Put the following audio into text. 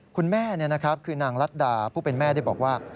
คุณแม่คือนางรัฐดาผู้เป็นแม่ได้บอกว่า